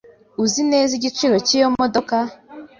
Uzi neza igiciro cyiyo modoka?